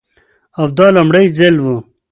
او دا لومړی ځل و.